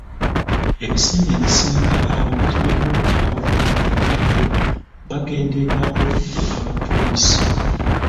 Ebiseera ebisinga abavuzi b'emmotoka abakola obubenje bagenderera okudduka bapoliisi.